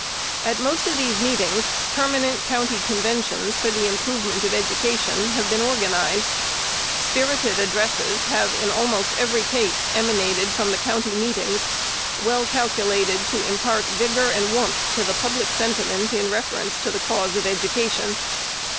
At most of these meetings, permanent county conventions for the improvement of education have been organized. Spirited addresses have, in almost every case, emanated from the county meetings, well calculated to impart vigor and warmth to the public sentiment in reference to the cause of education.